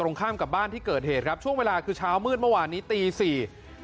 ตรงข้ามกับบ้านที่เกิดเหตุครับช่วงเวลาคือเช้ามืดเมื่อวานนี้ตีสี่